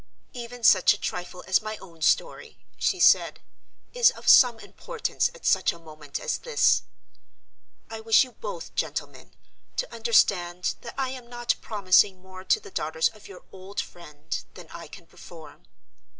"Even such a trifle as my own story," she said, "is of some importance at such a moment as this. I wish you both, gentlemen, to understand that I am not promising more to the daughters of your old friend than I can perform.